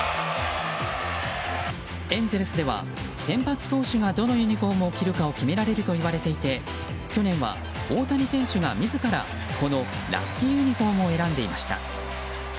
エンゼルスでは先発投手がどのユニホームを着るかを決められるといわれていて去年は大谷選手が自らこのラッキーユニホームを選んでいました。